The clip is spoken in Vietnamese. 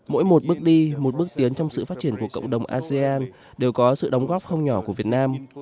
mỗi một bước đi một bước tiến trong sự phát triển của cộng đồng asean đều có sự đóng góp không nhỏ của việt nam